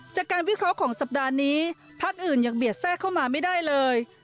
จากการวิเคราะห์ของสัปดาห์นี้พักอื่นยังเบียดแทรกเข้ามาไม่ได้เลย